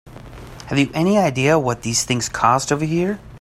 Have you any idea what these things cost over here?